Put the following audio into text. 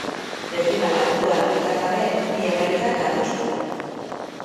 Dezimalak kontuan izan gabe, bi emaitzak ados daude.